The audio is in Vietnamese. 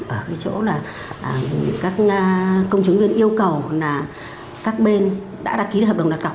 ở cái chỗ là công chứng viên yêu cầu các bên đã đặt ký hợp đồng đặt cọc